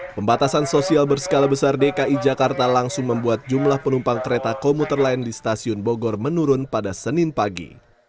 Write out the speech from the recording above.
pembatasan sosial berskala besar dki jakarta langsung membuat jumlah penumpang kereta komuter lain di stasiun bogor menurun pada senin pagi